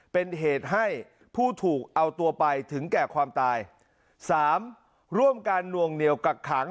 เป็นเหตุให้ผู้ถูกเอาตัวไปถึงแก่ความตายสามร่วมการนวงเหนียวกักขัง